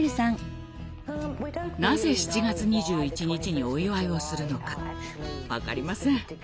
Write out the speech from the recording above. なぜ７月２１日にお祝いをするのか分かりません。